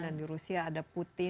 di rusia ada putin